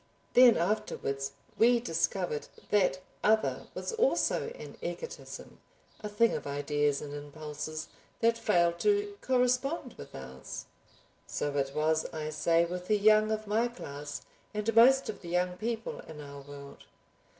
Then afterwards we discovered that other was also an egotism, a thing of ideas and impulses, that failed to correspond with ours. So it was, I say, with the young of my class and most of the young people in our world.